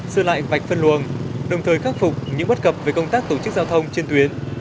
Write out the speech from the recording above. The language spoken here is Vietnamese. sửa lại vạch phân luồng đồng thời khắc phục những bất cập về công tác tổ chức giao thông trên tuyến